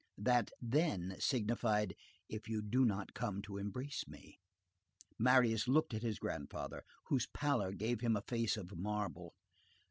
That "then" signified: If you do not come to embrace me. Marius looked at his grandfather, whose pallor gave him a face of marble.